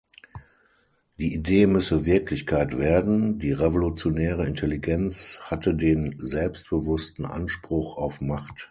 Die Idee müsse Wirklichkeit werden, die revolutionäre Intelligenz hatte den selbstbewussten Anspruch auf Macht.